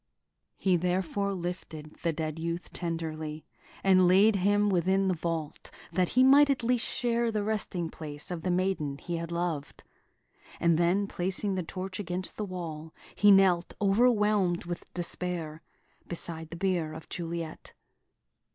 He therefore lifted the dead youth tenderly, and laid him within the vault, that he might at least share the resting place of the maiden he had loved; and then, placing the torch against the wall, he knelt, overwhelmed with despair, beside the bier of Juliet.